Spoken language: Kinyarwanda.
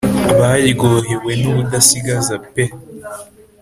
Baryohewe n' ubudasigaza pe